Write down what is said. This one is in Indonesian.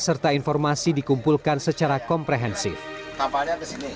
mereka dapat mendapatkan pesan untuk menjaplai bahkan selama lima ratus menit